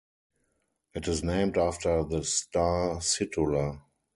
It is named after the star Situla.